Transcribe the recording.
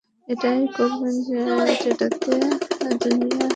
ঐটাই করবে, যেটাতে দুনিয়া সামনে এগোয়।